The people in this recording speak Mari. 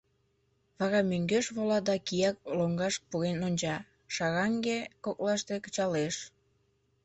Вара мӧҥгеш вола да кияк лоҥгаш пурен онча, шараҥге коклаште кычалеш.